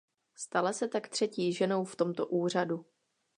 Stala se tak třetí ženou v tomto úřadu.